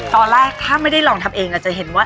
ตอนแรกถ้าไม่ได้ลองทำเองจะเห็นว่า